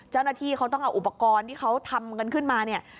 เจ้าหน้าที่เขาต้องเอาอุปกรณ์ที่เขาทำกันขึ้นมาเนี่ย